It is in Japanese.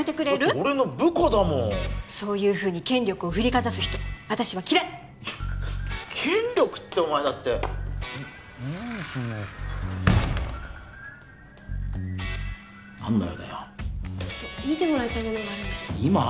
俺の部下だもんそうやって権力をふりかざす人私は嫌いッ権力ってお前だって何その何の用だよ見てもらいたいものがあるんです今？